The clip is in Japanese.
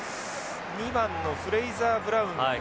２番のフレイザーブラウンが。